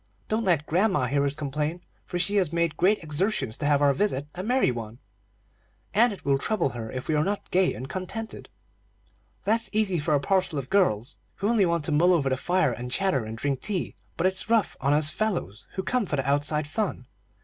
Don't let grandma hear us complain, for she has made great exertions to have our visit a merry one, and it will trouble her if we are not gay and contented." "That's easy for a parcel of girls, who only want to mull over the fire, and chatter, and drink tea; but it's rough on us fellows, who come for the outside fun.